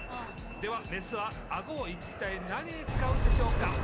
ではメスはアゴを一体何に使うんでしょうか？